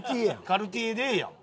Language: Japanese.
カルティエでええやん。